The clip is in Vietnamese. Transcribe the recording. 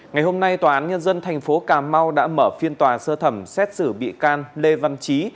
ngày hôm nay tòa án nhân dân thành phố cà mau đã mở phiên tòa sơ thẩm xét xử bị can lê văn trí